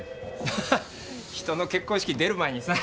ハハハ人の結婚式出る前にさ